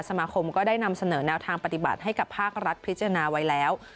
สมาคมก็ได้นำเสนอแนวทางปฏิบัติให้กับภาครัฐพิจารณาไว้แล้ว